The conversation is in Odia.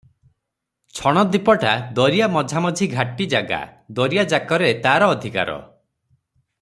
ଛଣଦ୍ୱୀପଟା ଦରିଆ ମଝାମଝି ଘାଟି ଜାଗା, ଦରିଆଯାକରେ ତାର ଅଧିକାର ।